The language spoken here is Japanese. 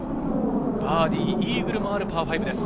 バーディー、イーグルもあるパー５です。